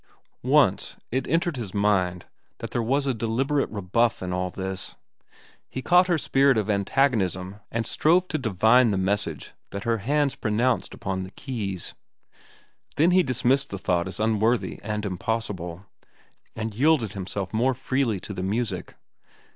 Once, it entered his mind that there was a deliberate rebuff in all this. He caught her spirit of antagonism and strove to divine the message that her hands pronounced upon the keys. Then he dismissed the thought as unworthy and impossible, and yielded himself more freely to the music.